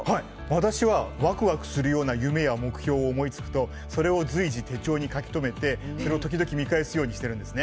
私は、ワクワクするような夢や目標を思いつくとそれを随時、手帳に書き留めて見返すようにしてるんですね。